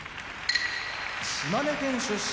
島根県出身